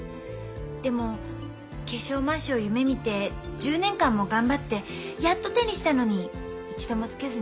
でも化粧まわしを夢みて１０年間も頑張ってやっと手にしたのに一度もつけずに廃業です。